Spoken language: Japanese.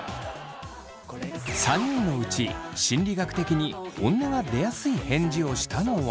３人のうち心理学的に本音がでやすい返事をしたのは。